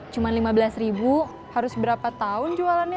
cuma lima belas ribu harus berapa tahun jualannya